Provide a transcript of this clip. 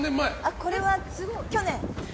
これは去年。